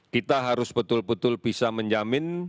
kita harus betul betul bisa menjamin